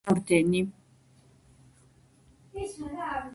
მხედრული მამაცობისთვის სიკვდილის შემდეგ მიენიჭა ლენინის ორდენი.